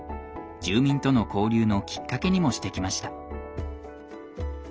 住民との交流のきっかけにもしてきました。